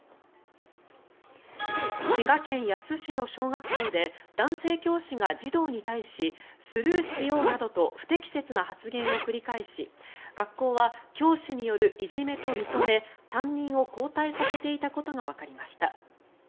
滋賀県野洲市の小学校で男性教師が児童に対しスルーしようなどと不適切な発言を繰り返し学校は教師によるいじめと認め担任を交代させていたことがわかりました。